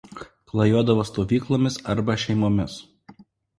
Klajodavo stovyklomis arba šeimomis.